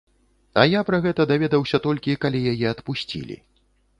А я пра гэта даведаўся толькі, калі яе адпусцілі.